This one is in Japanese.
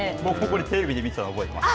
テレビで見てたの、覚えています。